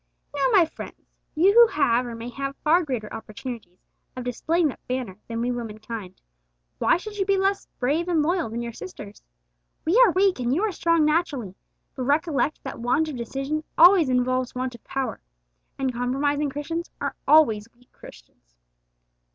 Now, my friends, you who have or may have far greater opportunities of displaying that banner than we womenkind, why should you be less brave and loyal than your sisters? We are weak and you are strong naturally, but recollect that want of decision always involves want of power, and compromising Christians are always weak Christians.